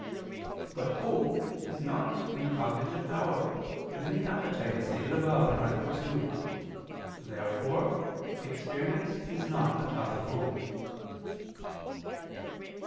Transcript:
But hope is not in the cognitive power, but in the appetite, as stated above (A. 2). Therefore experience is not a cause of hope.